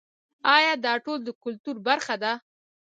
آیا دا ټول د کلتور برخه ده؟